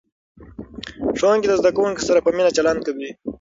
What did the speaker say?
ښوونکي د زده کوونکو سره په مینه چلند کوي.